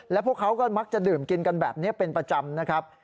และพวกเขาก็มักจะดื่มกินกันแบบนี้เป็นประจำนะครับ